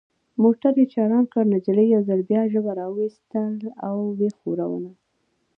موټر یې چالان کړ، نجلۍ یو ځل بیا ژبه را وایستل او ویې ښوروله.